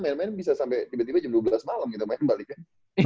main main bisa sampe tiba tiba jam dua belas malem kita main balik kan